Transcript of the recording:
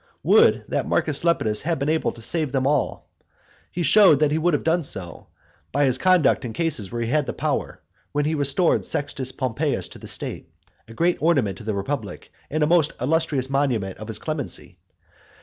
Would that Marcus Lepidus had been able to save them all! He showed that he would have done so, by his conduct in cases where he had the power, when he restored Sextus Pompeius to the state, a great ornament to the republic, and a most illustrious monument of his clemency.